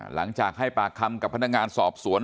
หลังจากให้ปากคำกับพนักงานสอบสวน